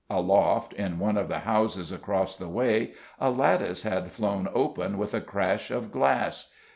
Aloft, in one of the houses across the way, a lattice had flown open with a crash of glass.